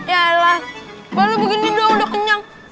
yaelah baru begini doang udah kenyang